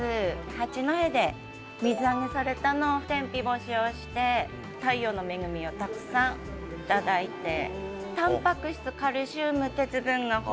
八戸で水揚げされたのを天日干しをして太陽の恵みをたくさん頂いて。